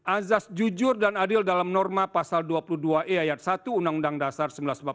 azas jujur dan adil dalam norma pasal dua puluh dua e ayat satu undang undang dasar seribu sembilan ratus empat puluh lima